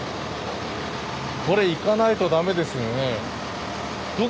これ行かないと駄目ですよね。